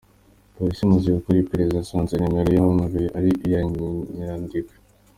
Polisi imaze gukora iperereza, yasanze nimero yahamagaye ari iya Nyirindekwe.